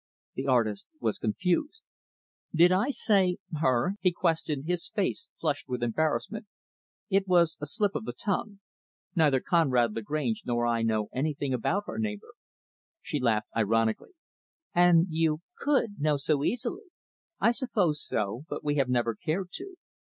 The artist was confused. "Did I say, her?" he questioned, his face flushed with embarrassment. "It was a slip of the tongue. Neither Conrad Lagrange nor I know anything about our neighbor." She laughed ironically. "And you could know so easily." "I suppose so; but we have never cared to.